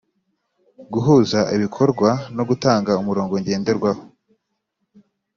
Guhuza ibikorwa no gutanga umurongo ngenderwaho